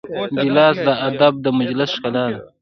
ګیلاس د ادب د مجلس ښکلا ده.